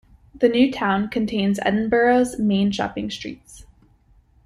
The New Town contains Edinburgh's main shopping streets.